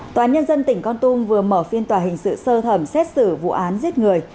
tòa nhân dân tỉnh con tum vừa mở phiên tòa hình sự sơ thẩm xét xử vụ án giết người